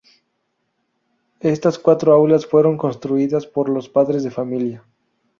Estas cuatro aulas fueron construidas por los padres de familia.